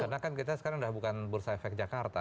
karena kan kita sekarang udah bukan bursa efek jakarta